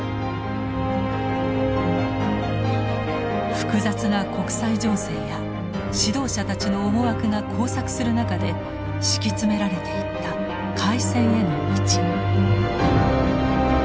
複雑な国際情勢や指導者たちの思惑が交錯する中で敷き詰められていった開戦への道。